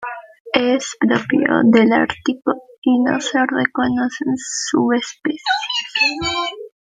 Es propio del Ártico y no se reconocen subespecies.